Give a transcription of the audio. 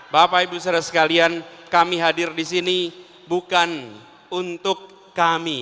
bapak ibu saudara sekalian kami hadir di sini bukan untuk kami